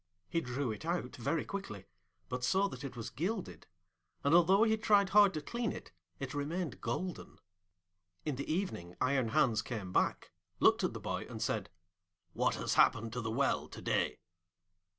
He drew it out very quickly, but saw that it was gilded, and although he tried hard to clean it, it remained golden. In the evening Iron Hans came back, looked at the boy, and said, 'What has happened to the well to day?'